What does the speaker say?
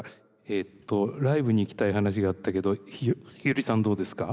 えっとライブに行きたい話があったけどひよりさんどうですか？